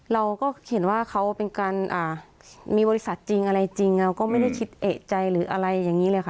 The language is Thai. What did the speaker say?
เราก็เห็นว่าเขาเป็นการมีบริษัทจริงอะไรจริงเราก็ไม่ได้คิดเอกใจหรืออะไรอย่างนี้เลยค่ะ